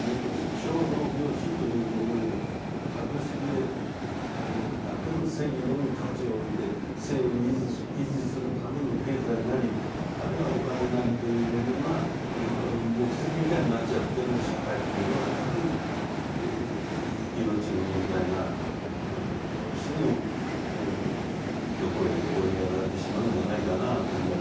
生老病死というものを隠してなるべく生にのみ価値を置いて生を維持するための経済なりあるいはお金なりというものは目的みたいになっちゃってる社会っていうのはやはり命の問題がどうしても横へ追いやられてしまうんじゃないかなというような。